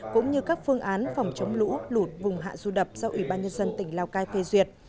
cũng như các phương án phòng chống lũ lụt vùng hạ du đập do ubnd tỉnh lào cai phê duyệt